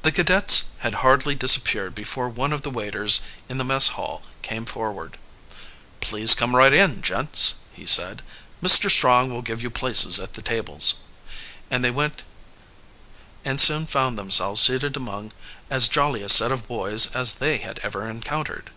The cadets had hardly disappeared before one of the waiters in the mess hall came forward. "Please come right in, gents," he said. "Mr. Strong will give you places at the tables." And they went and soon found themselves seated among as jolly a set of boys as they had ever encountered.